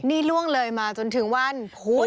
นี่ล่วงเลยมาจนถึงวันพุธ